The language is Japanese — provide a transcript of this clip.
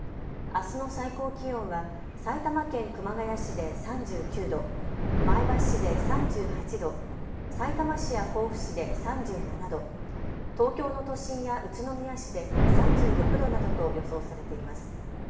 あすの最高気温は埼玉県熊谷市で３９度、前橋市で３８度、さいたま市や甲府市で３７度、東京の都心や宇都宮市で３６度などと予想されています。